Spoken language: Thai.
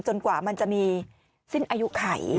กว่ามันจะมีสิ้นอายุไข